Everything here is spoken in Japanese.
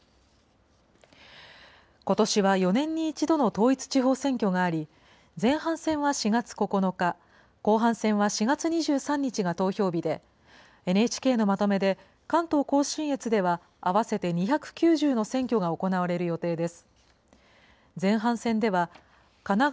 ことしは４年に１度の統一地方選挙があり、前半戦は４月９日、後半戦は４月２３日が投票日で、ＮＨＫのまとめで、関東甲信越では合わせて２９０の選挙が行われる予定です。